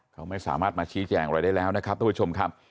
เขาไม่สามารถมาชี้แจงอะไรได้แล้วนะครับทุกผู้ชมครับ